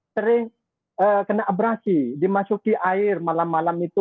sering kena abrasi dimasuki air malam malam itu